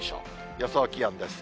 予想気温です。